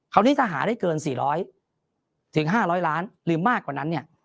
คราวนี้ถ้าหาได้เกิน๔๐๐๕๐๐ล้านหรือมากกว่านั้นเนี่ย